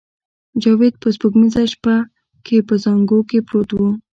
جاوید په سپوږمیزه شپه کې په زانګو کې پروت و